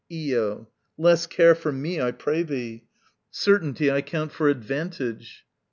Io. Less care for me, I pray thee. Certainty I count for advantage.